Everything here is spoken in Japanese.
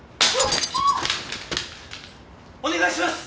お願いします！